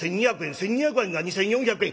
１，２００円が２，４００円。